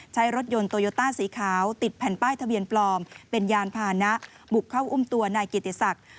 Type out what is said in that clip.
ใช้รถยนต์โตโยต้าสีขาวติดแผ่นป้ายทะเบียนปลอมเป็นยานพานะบุกเข้าอุ้มตัวนายกิติศักดิ์